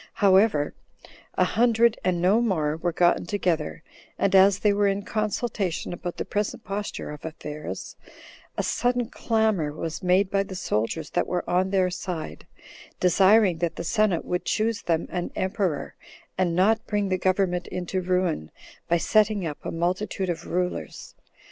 However, a hundred and no more were gotten together; and as they were in consultation about the present posture of affairs, a sudden clamor was made by the soldiers that were on their side, desiring that the senate would choose them an emperor, and not bring the government into ruin by setting up a multitude of rulers.